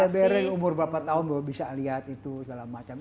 bereng umur berapa tahun bisa lihat itu segala macam